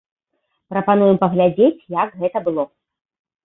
Прапануем паглядзець, як гэта было.